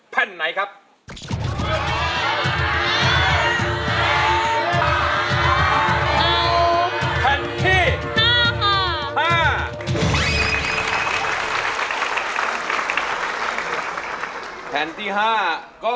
ตอนเชิงราวเหลียว